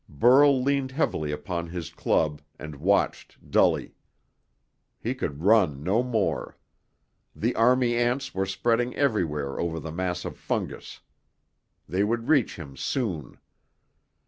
Burl leaned heavily upon his club and watched dully. He could run no more. The army ants were spreading everywhere over the mass of fungus. They would reach him soon.